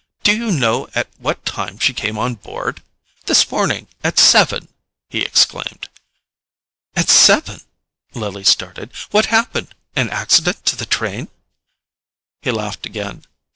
Do you know at what time she came on board? This morning at seven!" he exclaimed. "At seven?" Lily started. "What happened—an accident to the train?" He laughed again.